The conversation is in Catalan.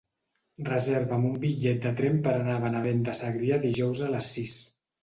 Reserva'm un bitllet de tren per anar a Benavent de Segrià dijous a les sis.